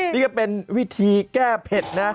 นี่ก็เป็นวิธีแก้เผ็ดนะ